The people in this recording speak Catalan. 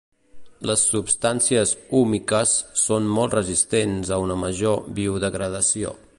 Les substàncies húmiques són molt resistents a una major biodegradació.